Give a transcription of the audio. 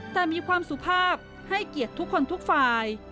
แต่มีความสุภาพให้เกียรติทุกคนทุกฝ่าย